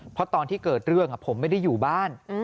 เพราะตอนที่เกิดเรื่องผมไม่ได้อยู่บ้าน